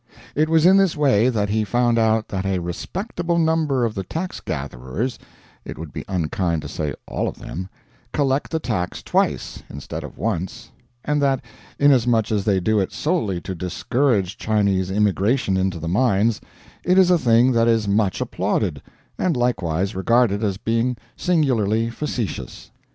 It was in this way that he found out that a respectable number of the tax gatherers it would be unkind to say all of them collect the tax twice, instead of once; and that, inasmuch as they do it solely to discourage Chinese immigration into the mines, it is a thing that is much applauded, and likewise regarded as being singularly facetious.